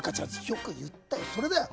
よく言ったよ、それだよ。